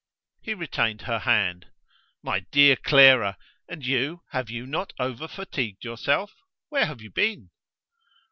He retained her hand. "My dear Clara! and you, have you not overfatigued yourself? Where have you been?"